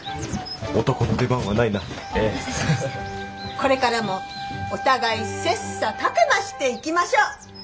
これからもお互い切磋琢磨していきましょう！